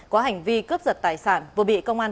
có hành vi cướp giật tài sản vừa bị công an